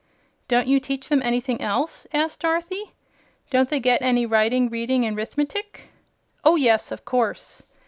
"Don't you teach them anything else?" asked Dorothy. "Don't they get any reading, writing and 'rithmetic?" "Oh, yes; of course.